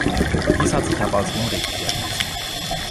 Dies hat sich aber als unrichtig erwiesen.